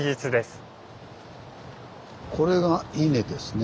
これが「稲」ですね。